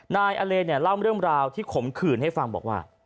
นายอเลเนี่ยเล่าเรื่องราวที่ขมขื่นให้ฟังบอกว่า